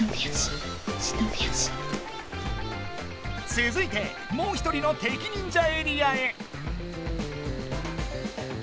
つづいてもう一人の敵忍者エリアへ。